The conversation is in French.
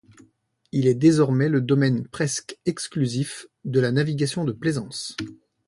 Il est désormais le domaine presque exclusif de la navigation de plaisance.